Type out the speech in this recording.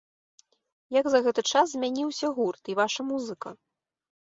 Як за гэты час змяніўся гурт і ваша музыка?